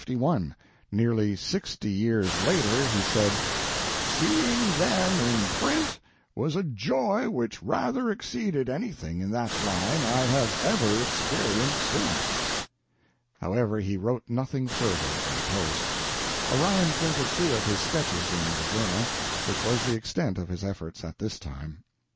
Nearly sixty years later he said: "Seeing them in print was a joy which rather exceeded anything in that line I have ever experienced since." However, he wrote nothing further for the "Post." Orion printed two of his sketches in the "Journal," which was the extent of his efforts at this time.